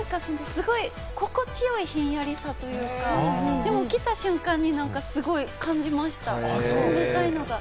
心地よいひんやりさというか、来た瞬間に感じました、冷たいのが。